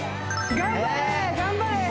頑張れ頑張れ！